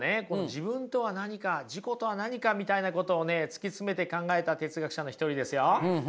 自分とは何か自己とは何かみたいなことを突き詰めて考えた哲学者の一人ですよ。